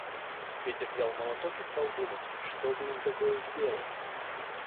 Петя взял молоток и стал думать, что бы им такое сделать.